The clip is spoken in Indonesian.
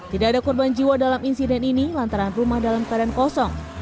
tidak ada korban jiwa dalam insiden ini lantaran rumah dalam keadaan kosong